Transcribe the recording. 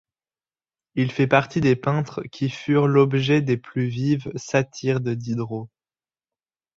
Il fait partie des peintres qui furent l’objet des plus vives satires de Diderot.